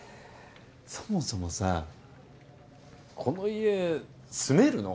そもそもさこの家住めるの？